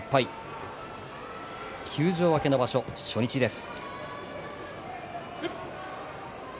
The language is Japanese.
休場明けの場所、初日です。